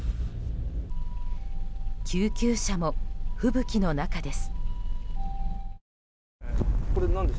救急車も、吹雪の中です。